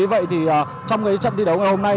vậy thì trong trận đi đấu ngày hôm nay